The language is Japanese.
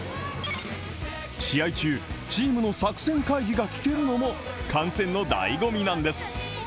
試合中、チームの作戦会議が聞けるのも観戦の醍醐味なんです。